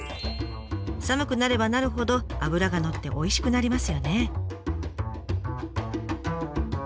寒くなればなるほど脂がのっておいしくなりますよね。